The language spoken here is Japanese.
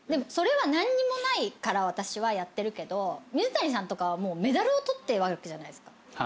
それは何にもないから私はやってるけど水谷さんとかはメダルを取ってるわけじゃないですか。